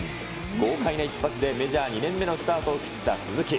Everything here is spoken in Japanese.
豪快な一発でメジャー２年目のスタートを切った鈴木。